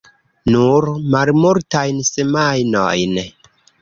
Nur malmultajn semajnojn.